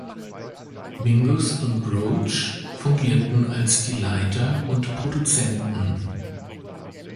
Mingus und Roach fungierten als die Leiter und Produzenten.